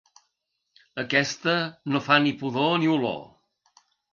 Aquesta no fa ni pudor ni olor.